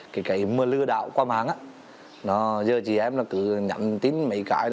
cái mưa lừa đạo qua mạng giờ chị em cứ nhận tin mấy cái